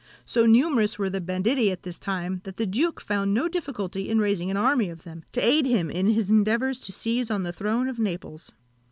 So numerous were the banditti at this time, that the duke found no difficulty in raising an army of them, to aid him in his endeavours to seize on the throne of Naples.